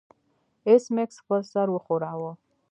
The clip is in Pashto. ایس میکس خپل سر وښوراوه